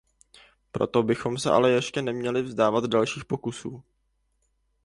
Proto bychom se ale ještě neměli vzdávat dalších pokusů.